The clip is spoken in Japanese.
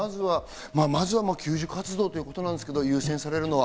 まずは救助活動ということですけど、優先されるのが。